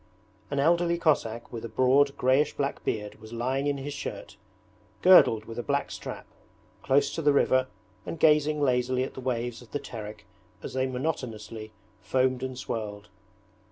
An elderly Cossack with a broad greyish black beard was lying in his shirt, girdled with a black strap, close to the river and gazing lazily at the waves of the Terek as they monotonously foamed and swirled.